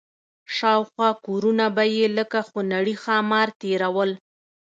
شاوخوا کورونه به یې لکه خونړي ښامار تېرول.